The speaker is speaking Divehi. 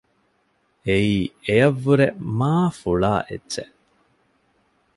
އެއީ އެޔަށްވުރެ މާ ފުޅާ އެއްޗެއް